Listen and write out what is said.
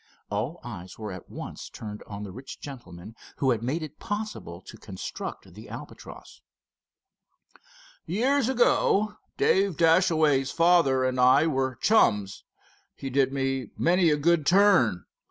All eyes were at once turned on the rich gentleman who had made it possible to construct the Albatross. "Years ago Dave Dashaway's father and I were chums. He did me many a good turn.